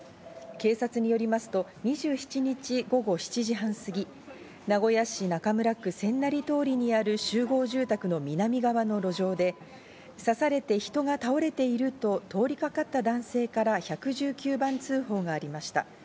警察によりますと、２７日、午後７時半すぎ、名古屋市中村区千成通にある集合住宅の南側の路上で、刺されて人が倒れていると通りかかった男性から１１９番通報がありました。